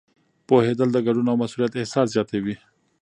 پوهېدل د ګډون او مسؤلیت احساس زیاتوي.